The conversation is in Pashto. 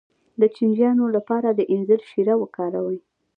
د چینجیانو لپاره د انځر شیره وکاروئ